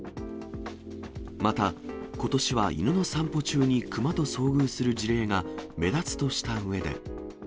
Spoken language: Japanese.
また、ことしは犬の散歩中にクマと遭遇する事例が目立つとしたうえで。